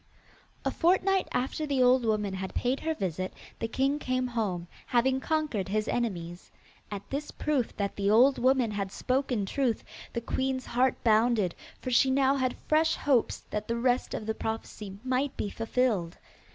A fortnight after the old woman had paid her visit, the king came home, having conquered his enemies. At this proof that the old woman had spoken truth, the queen's heart bounded, for she now had fresh hopes that the rest of the prophecy might be fulfilled.